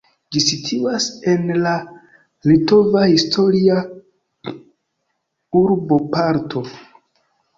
Ĝi situas en la litova historia urboparto.